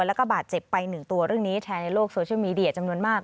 แล้วก็บาดเจ็บไปหนึ่งตัวเรื่องนี้แชร์ในโลกโซเชียลมีเดียจำนวนมาก